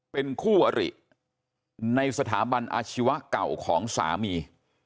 เป็นคู่อริในสถาบันอาชีวะเก่าของสามี